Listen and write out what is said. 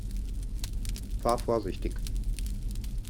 Fahr vorsichtig!